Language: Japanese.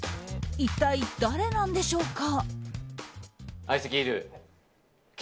一体誰なんでしょうか。